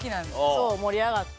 そう盛り上がって。